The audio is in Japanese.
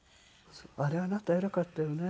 あれあなた偉かったよね。